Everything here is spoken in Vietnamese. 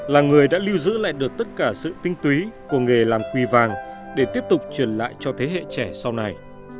là người đã lưu giữ lại được tất cả sự tinh túy của nghề làm quỳ vàng để tiếp tục truyền lại cho thế hệ trẻ sau này